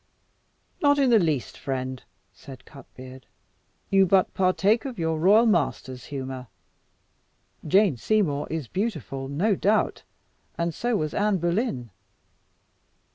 "Not in the least, friend," said Cutbeard. "You but partake of your royal master's humour. Jane Seymour is beautiful, no doubt, and so was Anne Boleyn.